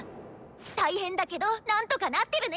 大変だけど何とかなってるね！